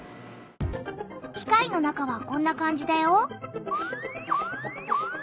機械の中はこんな感じだよ。